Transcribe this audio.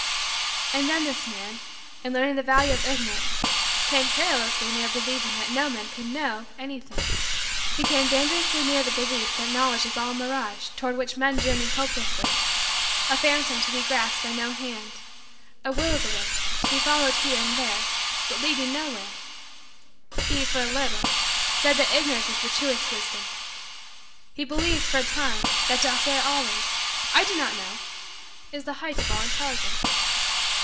And then this man, in learning the value of Ignorance, came perilously near believing that no man could know anything. He came dangerously near the belief that Knowledge is all a mirage toward which men journey hopelessly; a phantom to be grasped by no hand; a will o' the wisp to be followed here and there but leading nowhere. He, for a little, said that Ignorance is the truest wisdom. He believed, for a time, that to say always: "I do not know," is the height of all intelligence.